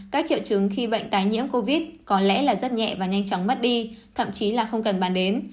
các triệu chứng khi bệnh tái nhiễm covid có lẽ là rất nhẹ và nhanh chóng mất đi thậm chí là không cần bàn đến